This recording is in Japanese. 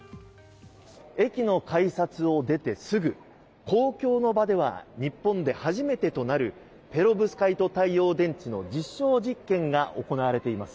駅の改札を出てすぐ公共の場では日本で初めてとなるペロブスカイト太陽電池の実証実験が行われています。